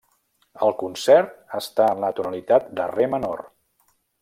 El concert està en la tonalitat de re menor.